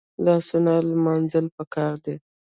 لاسونه لمانځل پکار دي